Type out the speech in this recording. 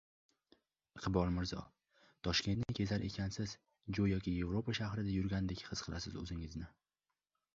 Iqbol Mirzo: "Toshkentni kezar ekansiz, go‘yoki Yevropa shahrida yurgandek his qilasiz o‘zingizni..."